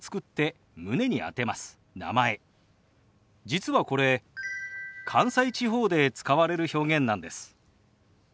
実はこれ関西地方で使われる表現なんです。